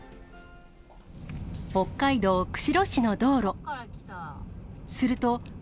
北海道釧路市の道路。